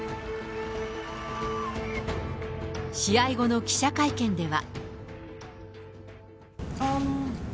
試合後の記者会見では。